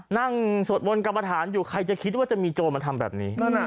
สวดบนกรรมฐานอยู่ใครจะคิดว่าจะมีโจรมาทำแบบนี้